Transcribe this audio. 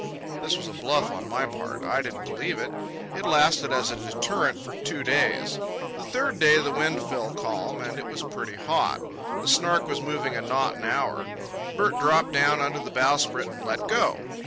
This was a bluff on my part. I didn't believe it. It lasted as a deterrent for two days. The third day the wind fell calm, and it was pretty hot. The Snark was moving a knot an hour. Bert dropped down under the bowsprit and let go.